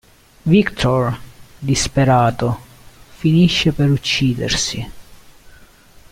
Victor, disperato, finisce per uccidersi.